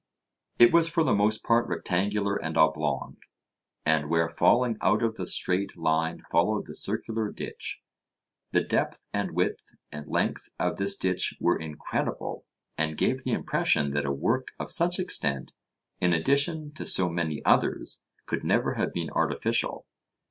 It was for the most part rectangular and oblong, and where falling out of the straight line followed the circular ditch. The depth, and width, and length of this ditch were incredible, and gave the impression that a work of such extent, in addition to so many others, could never have been artificial.